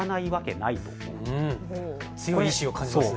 強い意志を感じますね。